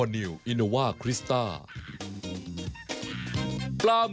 เดี๋ยวกลับมาสักครู่เดี๋ยวครับ